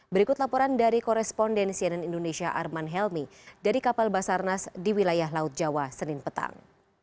berikut laporan dari koresponden cnn indonesia arman helmi dari kapal basarnas di wilayah laut jawa senin petang